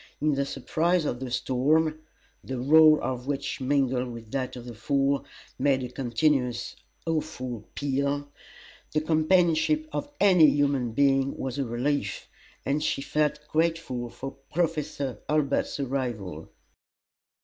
In the surprise of the storm the roar of which, mingled with that of the Fall, made a continuous awful peal the companionship of any human being was a relief, and she felt grateful for Professor Hurlbut's arrival.